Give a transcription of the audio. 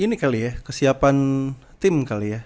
ini kali ya kesiapan tim kali ya